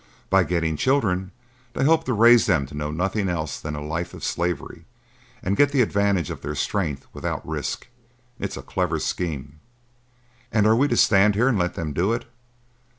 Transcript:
By getting children, they hope to raise them to know nothing else than a life of slavery and get the advantage of their strength without risk. It is a clever scheme." "And are we to stand here and let them do it?"